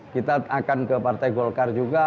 kita akan ke partai golkar juga